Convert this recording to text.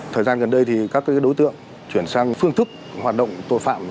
thời gian gần đây thì các đối tượng chuyển sang phương thức hoạt động tội phạm